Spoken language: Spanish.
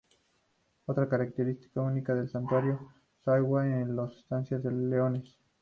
Otra característica única del Santuario Suwa son la "estancia de los leones".